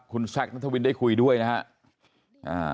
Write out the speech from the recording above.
คุณแช็คด้านทวินได้คุยด้วยครับ